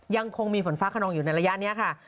ยังคงมีฝนฟ้าขนองอยู่ในระยะนี้ค่ะ